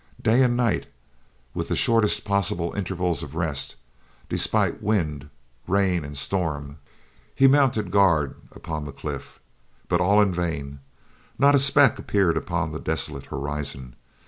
Day and night, with the shortest possible intervals of rest, despite wind, rain, and storm, he mounted guard upon the cliff but all in vain. Not a speck appeared upon the desolate horizon.